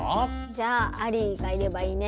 じゃあアリーがいればいいね。